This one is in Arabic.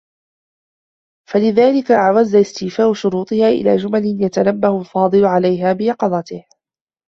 فَلِذَلِكَ أَعْوَزَ اسْتِيفَاءُ شُرُوطِهَا إلَى جُمَلٍ يَتَنَبَّهُ الْفَاضِلُ عَلَيْهَا بِيَقِظَتِهِ